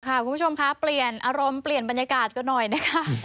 คุณผู้ชมคะเปลี่ยนอารมณ์เปลี่ยนบรรยากาศกันหน่อยนะคะ